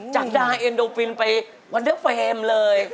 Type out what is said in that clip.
จากดาเอ็นโดฟินไปวันเดอร์เฟรมเลย